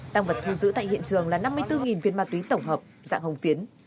tăng vật thu giữ tại hiện trường là năm mươi bốn viên ma túy tổng hợp dạng hồng phiến